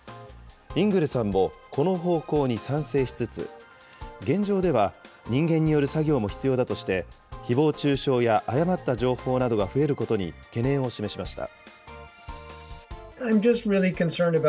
イングルさんもこの方向に賛成しつつ、現状では人間による作業も必要だとして、ひぼう中傷や誤った情報などが増えることに懸念を示しました。